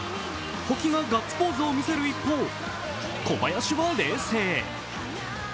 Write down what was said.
保木がガッツポーズを見せる一方、小林は冷静。